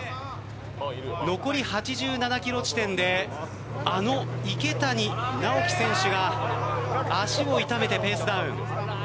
残り８７キロ地点であの池谷直樹選手が足を痛めてペースダウン。